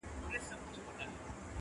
لکه کوچۍ پر ګودر مسته جګه غاړه ونه.!